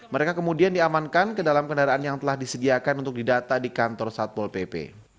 mereka kemudian diamankan ke dalam kendaraan yang telah disediakan untuk didata di kantor satpol pp